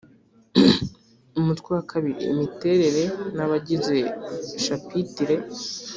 umutwe wa kabiri imiterere n abagize shapitire